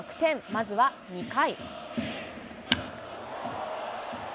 まずは２回。